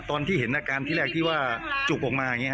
ตอนที่เห็นอาการที่แรกที่ว่าจุกออกมาอย่างนี้